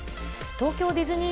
東京ディズニー